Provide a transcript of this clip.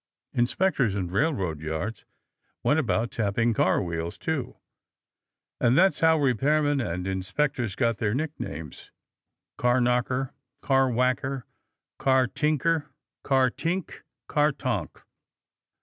Inspectors in railroad yards went about tapping car wheels, too. And that's how repairmen and inspectors got their nicknames car knocker, car whacker, car tinker, car tink, car tonk.